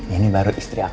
ini baru istri aku